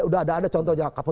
sudah ada contohnya